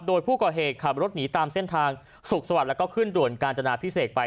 โดยผู้ก่อเหตุขับรถหนีตามเส้นทางสุขสวัสดิ์แล้วก็ขึ้นด่วนกาญจนาพิเศษไป